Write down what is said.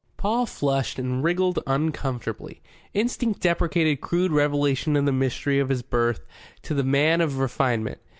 Paul flushed and wriggled uncomfortably. Instinct deprecated crude revelation of the mystery of his birth to the man of refinement.